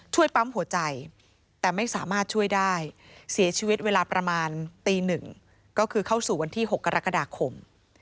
ปั๊มหัวใจแต่ไม่สามารถช่วยได้เสียชีวิตเวลาประมาณตีหนึ่งก็คือเข้าสู่วันที่๖กรกฎาคม